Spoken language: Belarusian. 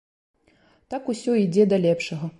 Так усё ідзе да лепшага.